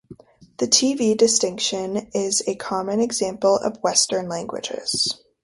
The T-V distinction is a common example in Western languages.